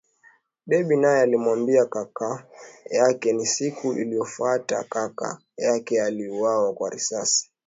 Debby naye alimwambia kaka yake na siku iliyofuata kaka yake aliuawa kwa risasi